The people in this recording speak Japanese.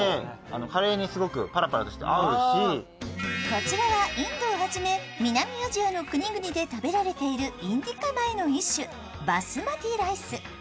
こちらはインドをはじめ南アジアの国々で食べられているインディカ米の一種、バスマティライス。